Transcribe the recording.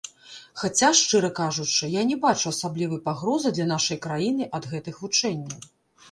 Хаця, шчыра кажучы, я не бачу асаблівай пагрозы для нашай краіны ад гэтых вучэнняў.